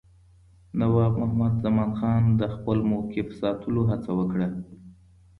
نواب محمد زمانخان د خپل موقف ساتلو هڅه وکړه.